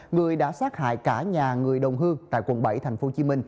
người đã sát hại cả nhà người đồng hương tại quận bảy tp hcm